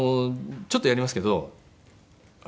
ちょっとやりますけど。